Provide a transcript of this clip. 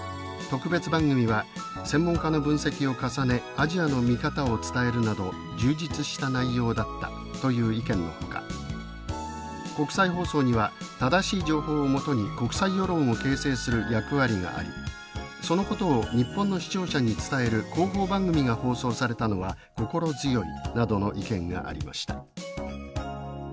特別番組は専門家の分析を重ねアジアの見方を伝えるなど充実した内容だった」という意見のほか「国際放送には正しい情報をもとに国際世論を形成する役割がありそのことを日本の視聴者に伝える広報番組が放送されたのは心強い」などの意見がありました。